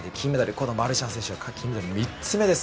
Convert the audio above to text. このマルシャン選手のメダル３つ目です。